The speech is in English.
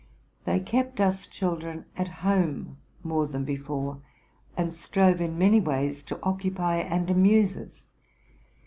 They kept us children at home more than before, and strove in many ways to occupy and amuse us.